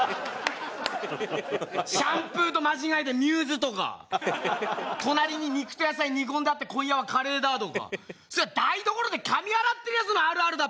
シャンプーと間違えてミューズとか隣に肉と野菜煮込んであって今夜はカレーだとかそれは台所で髪洗ってるヤツのあるあるだっぺよ。